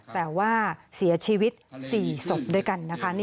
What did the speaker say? แต่ว่าเสียชีวิต๔ศพด้วยกันนะคะ